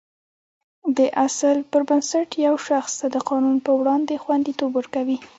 دا اصل پر بنسټ یو شخص ته د قانون په وړاندې خوندیتوب ورکوي.